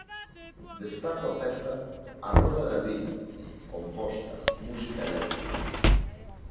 Destaco a peza "A Roda da Vida", composta, música e letra.